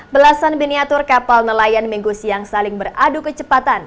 belasan miniatur kapal nelayan minggu siang saling beradu kecepatan